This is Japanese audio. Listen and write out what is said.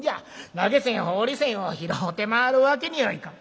投げ銭放り銭を拾うて回るわけにはいかん。